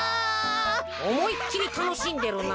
おもいっきりたのしんでるな。